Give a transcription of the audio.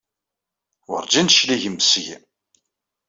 Werǧin d-tecligem seg-i!